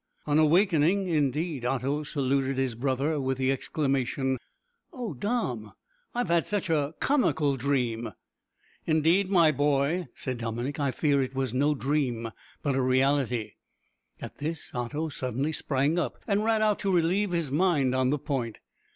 On awaking, indeed, Otto saluted his brother with the exclamation "O Dom, I've had such a comical dream!" "Indeed, my boy," said Dominick, "I fear it was no dream, but a reality." At this Otto suddenly sprang up, and ran out to relieve his mind on the point.